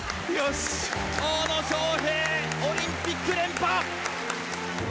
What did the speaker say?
大野将平、オリンピック連覇。